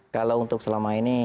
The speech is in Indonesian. kalau untuk selama ini